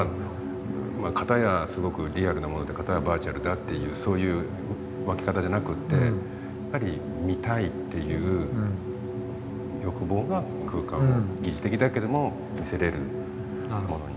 片やすごくリアルなもので片やバーチャルだっていうそういう分け方じゃなくてやっぱり「見たい」という欲望が空間を疑似的だけども見せれるものにしていったし。